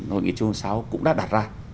hội nghị chung hôm sáu cũng đã đặt ra